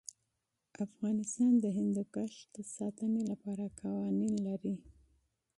افغانستان د هندوکش د ساتنې لپاره قوانین لري.